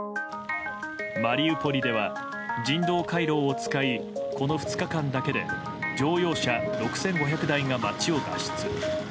マリウポリでは人道回廊を使いこの２日間だけで乗用車６５００台が街を脱出。